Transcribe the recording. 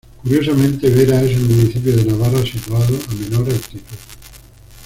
Curiosamente Bera es el municipio de Navarra situado a menor altitud.